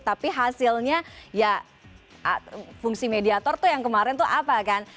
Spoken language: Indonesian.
tapi hasilnya ya fungsi mediator tuh yang kemarin tuh apa kan